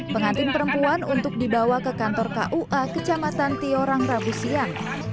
pengantin perempuan untuk dibawa ke kantor kua kecamatan tiorang rabu siang